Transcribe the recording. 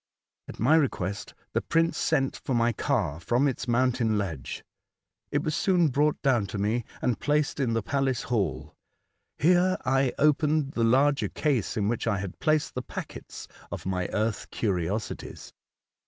At my request, the prince sent for my car from its mountain ledge. It was soon brought down to me, and placed in the palace hall. Here I opened the larger case in which I had placed the packets of my earth curiosities.